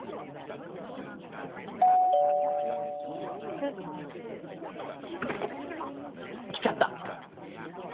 えっ？来ちゃった！